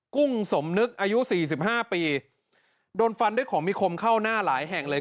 กุ้งสมนึกอายุสี่สิบห้าปีโดนฟันด้วยของมีคมเข้าหน้าหลายแห่งเลย